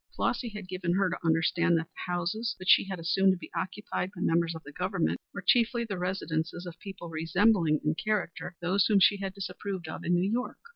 Flossy had given her to understand that the houses which she had assumed to be occupied by members of the Government were chiefly the residences of people resembling in character those whom she had disapproved of in New York.